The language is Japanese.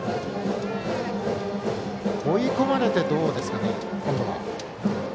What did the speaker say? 追い込まれてどうですかね。